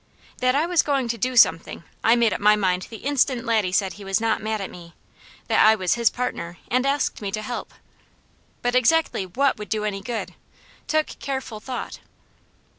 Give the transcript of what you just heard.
That I was going to do something, I made up my mind the instant Laddie said he was not mad at me; that I was his partner, and asked me to help; but exactly WHAT would do any good, took careful thought.